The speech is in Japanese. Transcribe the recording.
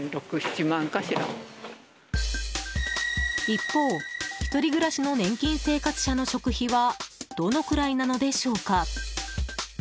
一方、１人暮らしの年金生活者の食費はどのくらいなのでしょうか。